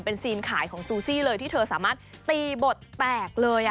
เป็นซีนขายของซูซี่เลยที่เธอสามารถตีบทแตกเลย